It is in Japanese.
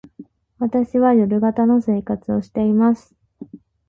私は夜型の生活をしています。